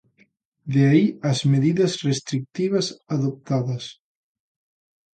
De aí as medidas restritivas adoptadas.